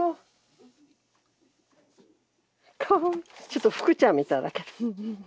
ちょっとフクちゃんみたいだけど。